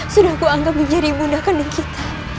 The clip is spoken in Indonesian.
sudah aku anggap menjadi ibu nakan dan kita